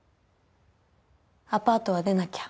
アパートは出なきゃ。